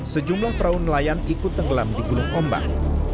sejumlah perahu nelayan ikut tenggelam di gulung ombang